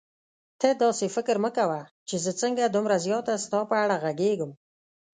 ته داسې فکر مه کوه چې زه څنګه دومره زیاته ستا په اړه غږېږم.